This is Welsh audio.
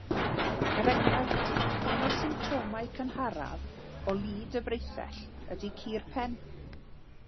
Er enghraifft, un o'r symptomau cynharaf o lid y freithell ydy cur pen.